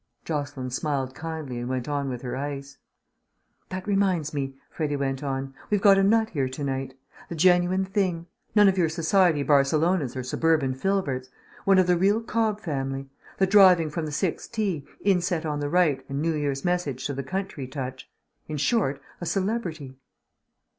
Jocelyn smiled kindly and went on with her ice. "That reminds me," Freddy went on, "we've got a nut here to night. The genuine thing. None of your society Barcelonas or suburban Filberts. One of the real Cob family; the driving from the sixth tee, inset on the right, and New Year's message to the country touch. In short, a celebrity."